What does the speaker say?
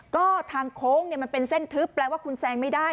ก็ทางโค้งเนี่ยมันเป็นเส้นทึบแปลว่าคุณแซงไม่ได้